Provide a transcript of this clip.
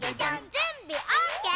「じゅんびオッケー？」